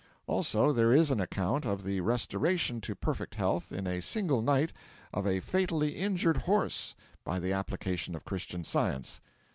Also there is an account of the restoration to perfect health, in a single night, of a fatally injured horse, by the application of Christian Science.